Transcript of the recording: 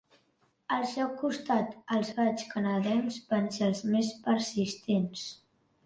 Al seu costat, els gaigs canadencs van ser els més persistents.